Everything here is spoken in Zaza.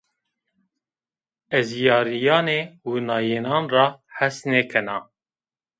Ez yarîyanê winayênan ra hes nêkena.